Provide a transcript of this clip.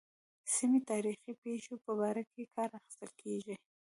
سیمې تاریخي پېښو په باره کې کار اخیستل کېږي.